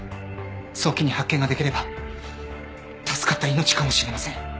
早期に発見ができれば助かった命かもしれません。